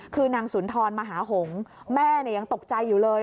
คือนางสุนทรมหาหงษ์แม่ยังตกใจอยู่เลย